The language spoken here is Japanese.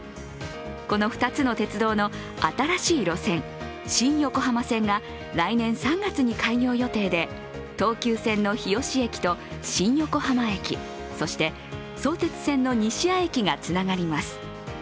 この２つの鉄道の新しい路線新横浜線が来年３月に開業予定で東急線の日吉駅と新横浜駅、そして相鉄線の西谷駅がつながります。